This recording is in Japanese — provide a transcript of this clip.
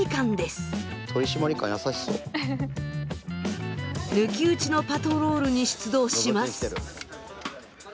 抜き打ちのパトロールに出動します。